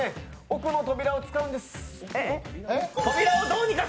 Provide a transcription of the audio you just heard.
奥の扉を使うんです。